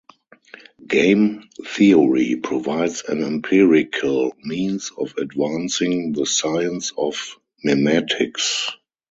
Game theory provides an empirical means of advancing the science of memetics.